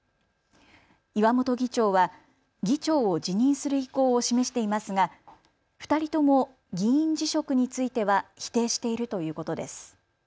岩本議長は議長を辞任する意向を示していますが２人とも議員辞職については否定しているということです。